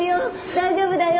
大丈夫だよ。